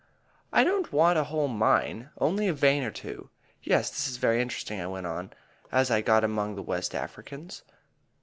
"I don't want a whole mine only a vein or two. Yes, this is very interesting," I went on, as I got among the West Africans.